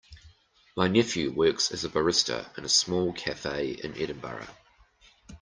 My nephew works as a barista in a small cafe in Edinburgh.